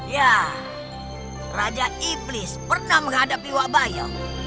ya raja iblis pernah menghadapi wak bayo